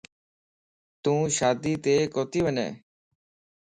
تون شاديت ڪوتي وڃين؟